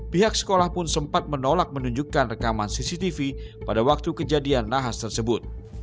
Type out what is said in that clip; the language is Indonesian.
pihak sekolah pun sempat menolak menunjukkan rekaman cctv pada waktu kejadian nahas tersebut